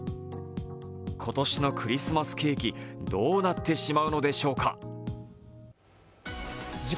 今年のクリスマスケーキ、どうなってしまうのでしょうか？